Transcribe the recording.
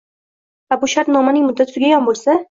va bu shartnomaning muddati tugagan bo‘lsa